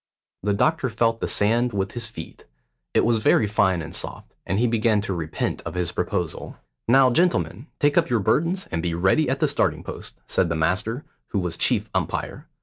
The doctor felt the sand with his feet. It was very fine and soft, and he began to repent of his proposal. "Now, gentlemen, take up your burdens and be ready at the starting post," said the master, who was chief umpire.